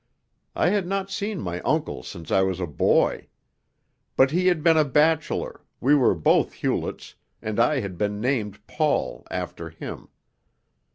I had not seen my uncle since I was a boy. But he had been a bachelor, we were both Hewletts, and I had been named Paul after him.